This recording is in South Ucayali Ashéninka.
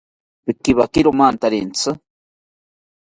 Pikiwakiro mantarentzi